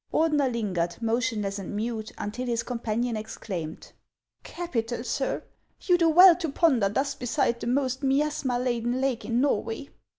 Ordener lingered, motionless and mute, until his com panion exclaimed :" Capital, sir ! You do well to ponder thus beside the most miasma laden lake in Norway."